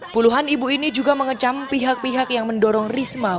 puluhan ibu ini juga mengecam pihak pihak yang mendorong risma